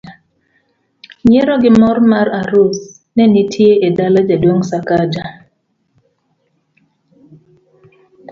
nyiero gi mor mar arus ne nitie e dala jaduong' Sakaja